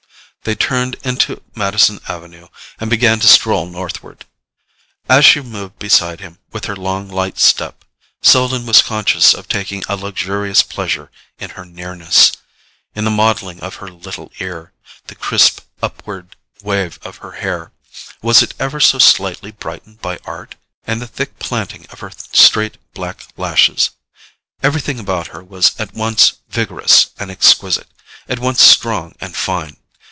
They turned into Madison Avenue and began to stroll northward. As she moved beside him, with her long light step, Selden was conscious of taking a luxurious pleasure in her nearness: in the modelling of her little ear, the crisp upward wave of her hair—was it ever so slightly brightened by art?—and the thick planting of her straight black lashes. Everything about her was at once vigorous and exquisite, at once strong and fine.